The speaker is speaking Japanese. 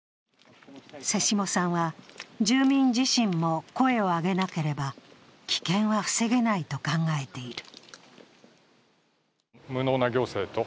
瀬下さんは、住民自身も声を上げなければ危険は防げないと考えている。